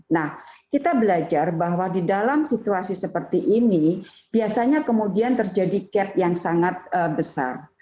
nah kita belajar bahwa di dalam situasi seperti ini biasanya kemudian terjadi gap yang sangat besar